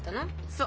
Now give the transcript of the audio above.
そう。